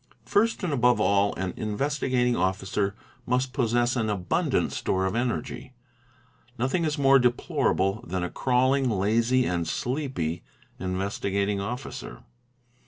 First and above all an Investigating Officer must possess an abundant — store of energy; nothing is more deplorable than a crawling, lazy, and sleepy Investigating Officer.